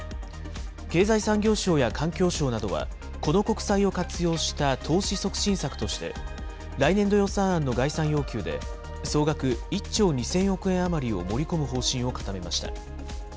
経済産業省や環境省などは、この国債を活用した投資促進策として、来年度予算案の概算要求で総額１兆２０００億円余りを盛り込む方針を固めました。